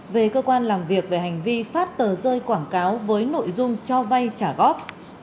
về cơ quan làm việc về hành vi phát tờ rơi quảng cáo với nội dung cho vay trả góp